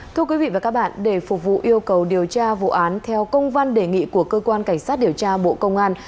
thưa quý vị và các bạn để phục vụ yêu cầu điều tra vụ án theo công văn đề nghị của cơ quan cảnh sát điều tra bộ công an